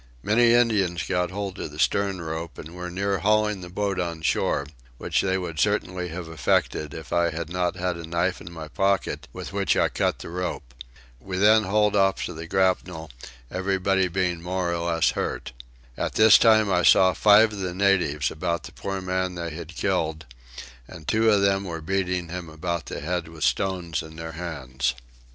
Many Indians got hold of the stern rope and were near hauling the boat on shore, which they would certainly have effected if I had not had a knife in my pocket with which I cut the rope. We then hauled off to the grapnel, everyone being more or less hurt. At this time I saw five of the natives about the poor man they had killed, and two of them were beating him about the head with stones in their hands.